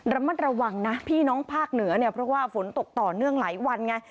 ระมัดระวังนะพี่น้องภาคเหนือเนี่ยเพราะว่าฝนตกต่อเนื่องหลายวันไง